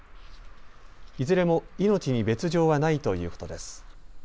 いずれも命に別状はないということです。